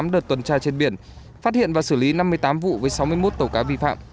tám đợt tuần tra trên biển phát hiện và xử lý năm mươi tám vụ với sáu mươi một tàu cá vi phạm